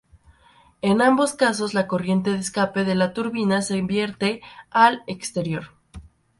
En ambos casos la corriente de escape de la turbina se vierte al exterior.